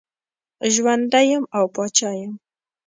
ژوندی یم او پاچا یم.